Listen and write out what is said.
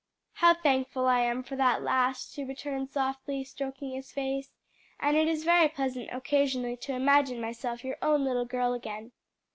"How thankful I am for that last," she returned, softly stroking his face, "and it is very pleasant occasionally to imagine myself your own little girl again.